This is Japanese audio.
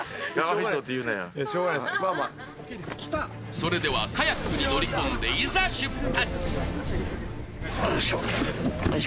それでは、カヤックに乗り込んでいざ出発。